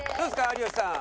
有吉さん。